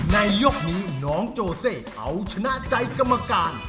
ในยกนี้น้องโจเซเอาชนะใจกรรมการ